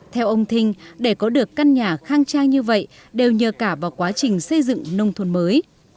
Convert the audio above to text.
theo ông thinh để có được căn nhà khang trang như vậy đều nhờ cả vào quá trình xây dựng nông thôn mới